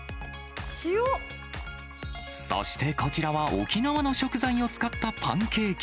そしてこちらは、沖縄の食材を使ったパンケーキ。